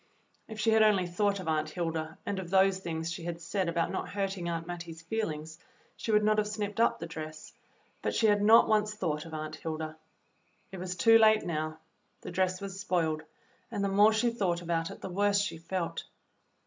If she had only thought of Aunt Hilda and of those things she had said about not hurting Aunt Mattie's feelings, she would not have snipped up the dress, but she had not once thought of Aunt Hilda. It was too late now. The dress was spoiled, and the more she thought about it the worse she felt.